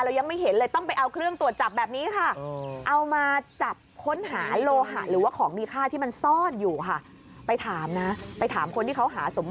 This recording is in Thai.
ยังไม่เห็นเลยต้องไปเอาเครื่องตรวจจับแบบนี้ค่ะ